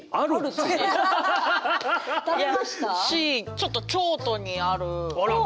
ちょっと京都にある。